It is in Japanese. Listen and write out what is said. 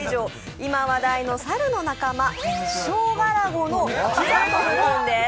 今話題の猿の仲間、ショウガラゴのピザトル君です。